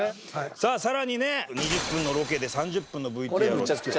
さあさらにね「２０分のロケで３０分のＶＴＲを作れ」。